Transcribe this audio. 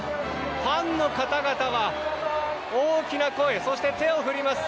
ファンの方々は大きな声そして手を振ります。